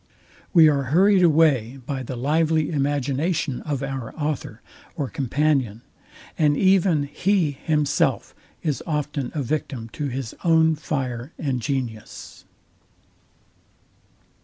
We are hurried away by the lively imagination of our author or companion; and even he himself is often a victim to his own fire and genius.